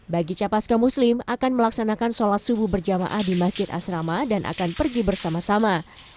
bagi capaska muslim akan melaksanakan sholat subuh berjamaah di masjid asrama dan akan pergi bersama sama